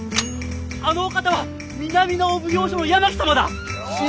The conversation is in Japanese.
あのお方は南のお奉行所の八巻様だ！